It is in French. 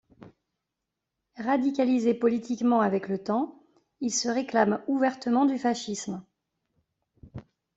Radicalisé politiquement avec le temps, il se réclame ouvertement du fascisme.